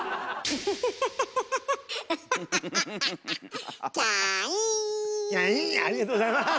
キャインありがとうございます。